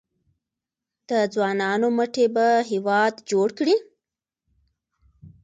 د ځوانانو مټې به هیواد جوړ کړي؟